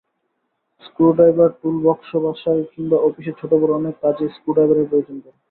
Screw driver টুলবক্সবাসায় কিংবা অফিসে ছোট-বড় অনেক কাজেই স্ক্রু ড্রাইভারের প্রয়োজন পড়ে।